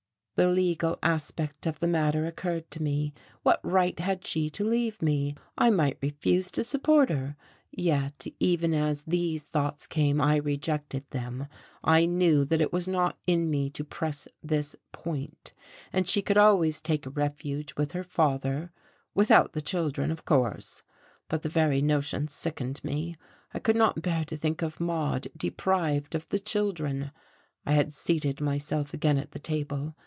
The legal aspect of the matter occurred to me. What right had she to leave me? I might refuse to support her. Yet even as these thoughts came I rejected them; I knew that it was not in me to press this point. And she could always take refuge with her father; without the children, of course. But the very notion sickened me. I could not bear to think of Maude deprived of the children. I had seated myself again at the table.